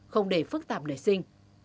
không để phức tạp nảy sinh